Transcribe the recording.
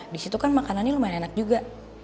di situ kan makanannya lumayan enak juga